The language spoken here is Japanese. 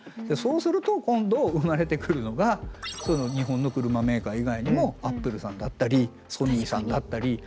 そうすると今度生まれてくるのが日本の車メーカー以外にもアップルさんだったりソニーさんだったり。